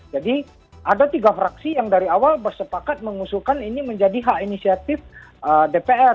jadi ada tiga fraksi yang dari awal bersepakat mengusulkan ini menjadi hak inisiatif dpr